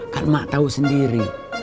kan emak tau sendiri